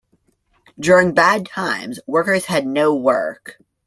During bad times workers had no work.